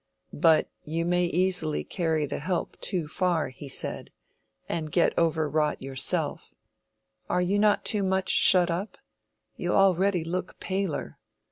"But you may easily carry the help too far," he said, "and get over wrought yourself. Are you not too much shut up? You already look paler.